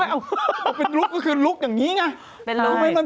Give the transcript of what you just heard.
เอาเป็นลุคก็คือลุคอย่างนี้ไง